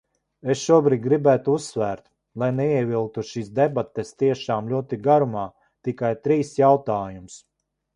Es šobrīd gribētu uzsvērt, lai neievilktu šīs debates tiešām ļoti garumā, tikai trīs jautājumus.